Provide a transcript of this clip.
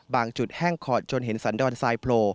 บางจุดแห้งคอร์ดจนเห็นสันดอนไซด์โพล